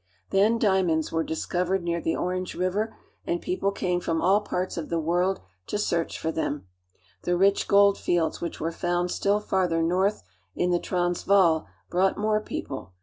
Then diamonds were discovered near the Orange River, BRITISH SOUTH AKKICA 275 Fand people came from all parts of the world to search for [ them. The rich gold fields, which were found still farther I north in the Transvaal, brought more people.